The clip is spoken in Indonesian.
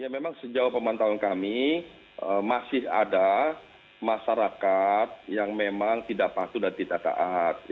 memang sejauh pemantauan kami masih ada masyarakat yang memang tidak patuh dan tidak taat